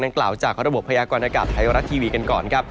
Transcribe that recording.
กล่าวจากระบบพยากรณากาศไทยรัฐทีวีกันก่อนครับ